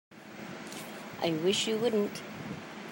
I wish you wouldn't.